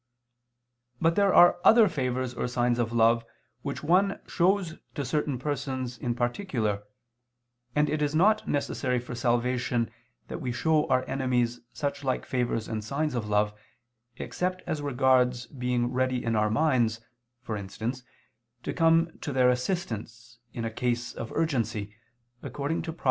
But there are other favors or signs of love, which one shows to certain persons in particular: and it is not necessary for salvation that we show our enemies such like favors and signs of love, except as regards being ready in our minds, for instance to come to their assistance in a case of urgency, according to Prov.